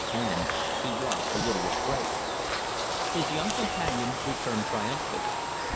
And he was a little afraid. His young companion returned triumphant.